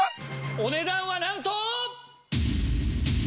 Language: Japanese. お値段はなんと。